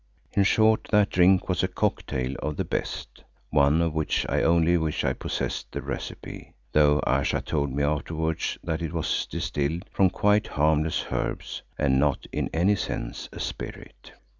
In short that drink was a "cocktail" of the best, one of which I only wish I possessed the recipe, though Ayesha told me afterwards that it was distilled from quite harmless herbs and not in any sense a spirit.